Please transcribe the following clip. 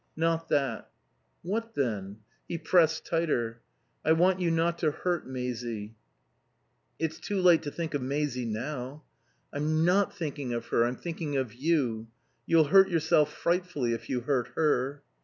Not that." "What, then?" He pressed tighter. "I want you not to hurt Maisie." "It's too late to think of Maisie now." "I'm not thinking of her. I'm thinking of you. You'll hurt yourself frightfully if you hurt her."